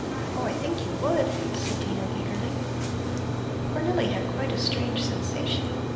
Oh, I think you would!" said Dino eagerly. Cornelli had quite a strange sensation.